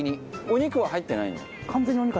お肉は入ってないの？